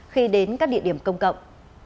khi đến các địa điểm công cộng